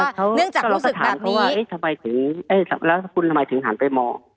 เนื่องจากรู้สึกแบบนี้แล้วสถานเขาว่าเอ๊ะทำไมถึงเอ๊ะแล้วคุณทำไมถึงหันไปมอง